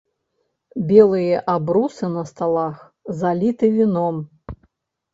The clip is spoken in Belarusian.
Белыя абрусы на сталах заліты віном.